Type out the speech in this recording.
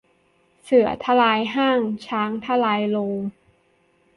เสือทลายห้าง ช้างทลายโรง